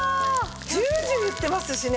ジュージューいってますしね。